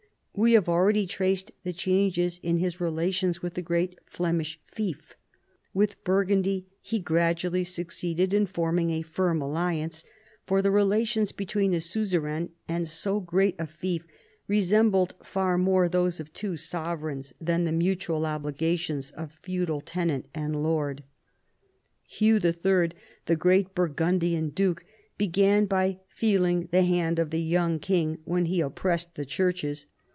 We have already traced the changes in his relations with the great Flemish fief. With Bur gundy he gradually succeeded in forming a firm alli ance, for the relations between a suzerain and so great a fief resembled far more those of two sovereigns than the mutual obligations of feudal tenant and lord. Hugh III., the great Burgundian duke, began by feeling the hand of the young king when he oppressed the churches.